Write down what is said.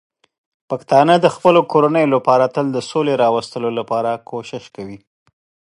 پښتانه د خپلو کورنیو لپاره تل د سولې راوستلو لپاره کوښښ کوي.